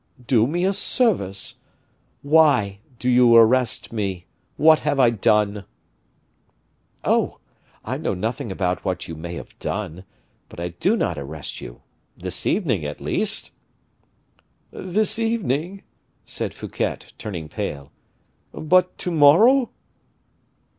Do me a service. Why do you arrest me? What have I done?" "Oh! I know nothing about what you may have done; but I do not arrest you this evening, at least!" "This evening!" said Fouquet, turning pale, "but to morrow?"